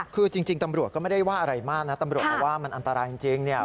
คือจริงตำรวจก็ไม่ได้ว่าอะไรมากนะตำรวจบอกว่ามันอันตรายจริงเนี่ย